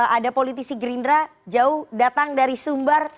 ada politisi gerindra jauh datang dari sumbar